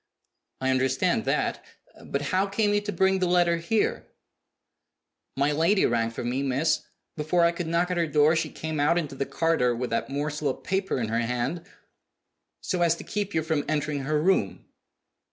"I understand that. But how came you to bring the letter here?" "My lady rang for me, miss. Before I could knock at her door she came out into the corridor with that morsel of paper in her hand " "So as to keep you from entering her room?"